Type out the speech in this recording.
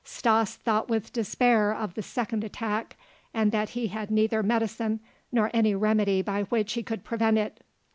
Stas thought with despair of the second attack and that he had neither medicine nor any remedy by which he could prevent it.